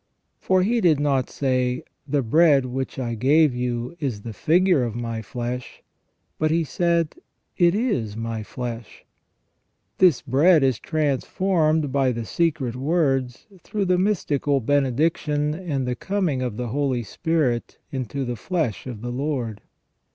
For He did not say :' The bread which I gave you is the figure of My flesh,' but He said :' It is My flesh '. This bread is transformed by the secret words, through the mystical benediction and the coming of the Holy Spirit, into the flesh of the Lord.